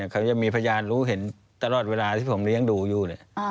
เขาจะมีพยานรู้เห็นตลอดเวลาที่ผมเลี้ยงดูอยู่